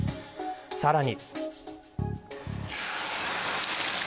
さらに。